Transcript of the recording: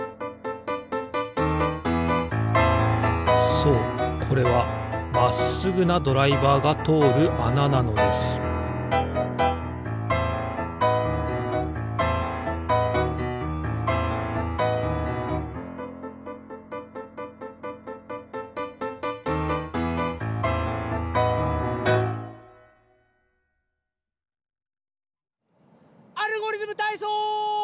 そうこれはまっすぐなドライバーがとおるあななのです「アルゴリズムたいそう」！